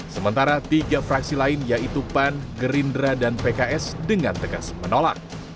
sementara tiga fraksi lain yaitu pan gerindra dan pks dengan tegas menolak